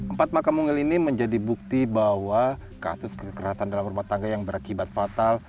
empat makam mungil ini menjadi bukti bahwa kasus kekerasan dalam rumah tangga yang berakibat fatal